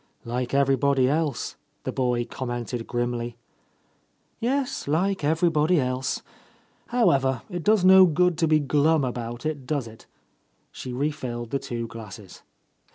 "Like everybody else," the boy commented grimly. "Yes, like everybody else. However, it does no good to be glum about it, does it?" She re filled the two glasses.